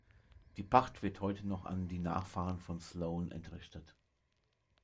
Die Pacht wird heute noch an die Nachfahren von Sloane entrichtet.